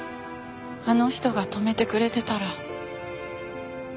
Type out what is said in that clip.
あの人が止めてくれてたら。